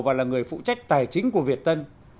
và là người phụ trách tài chính của việt tân